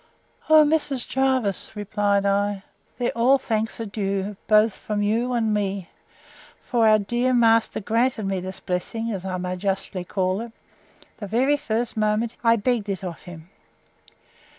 O Mrs. Jervis! replied I, there all thanks are due, both from you and me: for our dear master granted me this blessing, as I may justly call it, the very first moment I begged it of him.